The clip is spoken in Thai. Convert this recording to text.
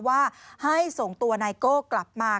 ว่าให้ส่งตัวไนโก้กลับมา